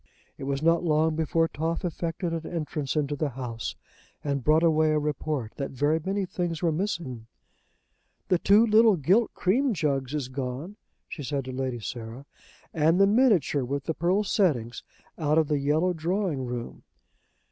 It was not long before Toff effected an entrance into the house, and brought away a report that very many things were missing. "The two little gilt cream jugs is gone," she said to Lady Sarah, "and the minitshur with the pearl settings out of the yellow drawing room!"